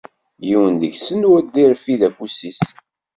Yiwen deg-sen ur d-irfid afus-is.